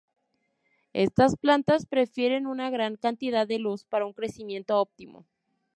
Estas plantas prefieren una gran cantidad de luz para un crecimiento óptimo.